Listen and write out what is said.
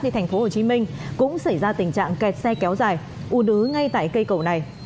đi thành phố hồ chí minh cũng xảy ra tình trạng kẹt xe kéo dài ủ nứ ngay tại cây cầu này